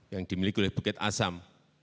yang dimiliki oleh bukit asam